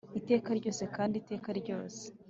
iteka ryose, kandi iteka ryose;